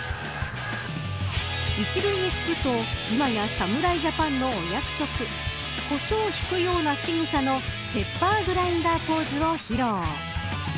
１塁に就くと今や侍ジャパンのお約束コショウをひくようなしぐさのペッパーグラインダーポーズを披露。